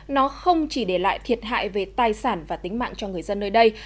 nó không chỉ để lại thiệt hại về tài sản và tính mạng cho người dân nơi đây